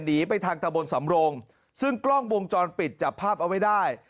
หนีไปทางตะบนสำโรงซึ่งกล้องวงจรปิดจับภาพเอาไว้ได้